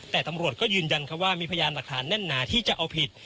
แต่ตำรวจก็ยืนยันว่ามีพยานหลักฐานแน่นหนาที่จะเอาผิด